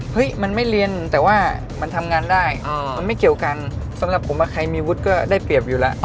มันไม่เรียนแต่ว่ามันทำงานได้มันไม่เกี่ยวกันสำหรับผมใครมีวุฒิก็ได้เปรียบอยู่แล้ว